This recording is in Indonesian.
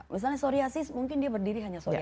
misalnya psoriasis mungkin dia berdiri hanya psoriasis